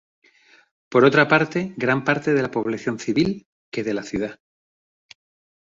Por otra parte gran parte de la población civil que de la ciudad.